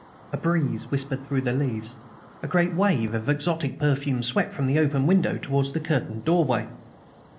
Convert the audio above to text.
A breeze whispered through the leaves; a great wave of exotic perfume swept from the open window towards the curtained doorway.